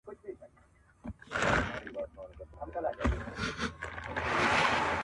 نه شاهین د تورو غرو نه تور بلبل سوې،